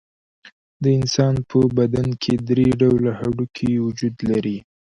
د انسان په بدن کې درې ډوله هډوکي وجود لري.